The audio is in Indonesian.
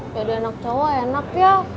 jadi anak cowo enak ya